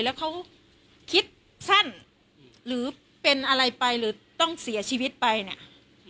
แล้วเขาคิดสั้นหรือเป็นอะไรไปหรือต้องเสียชีวิตไปเนี่ย